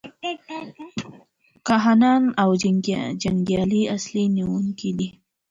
کاهنان او جنګیالي اصلي نیونکي وو.